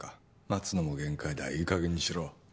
待つのも限界だいいかげんにしろ